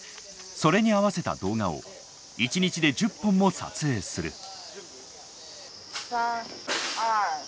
それに合わせた動画を１日で１０本も撮影する。